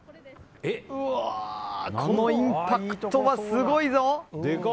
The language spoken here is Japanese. うわーこのインパクトはすごいぞ！